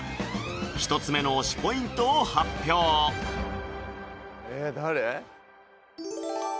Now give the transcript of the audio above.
１つ目の推しポイントを発表え誰？